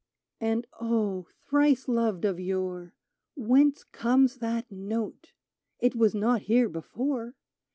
And, oh ! thrice loved of yore — Whence comes that note ? It was not here before